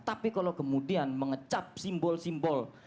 tapi kalau kemudian mengecap simbol simbol